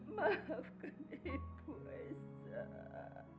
maafkan aku ibu aisyah